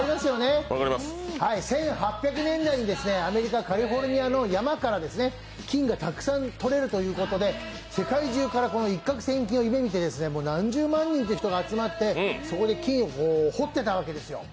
１８００年代にアメリカ・カリフォルニアの山から金がたくさんとれるということで世界中から一獲千金を夢見て何十万人という人が集まって金を掘っていたわけです。